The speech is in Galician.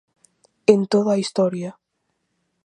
¡En toda a historia!